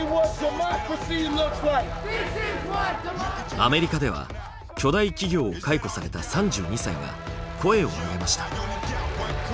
アメリカでは巨大企業を解雇された３２歳が声を上げました。